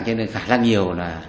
cho nên khả năng nhiều là